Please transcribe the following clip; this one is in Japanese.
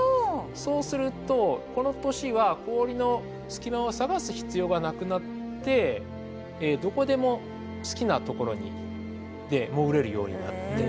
そうするとこの年は氷の隙間を探す必要がなくなってどこでも好きなところに行って潜れるようになって。